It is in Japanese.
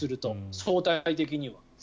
相対的には。